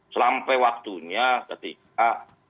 selampai waktunya ketika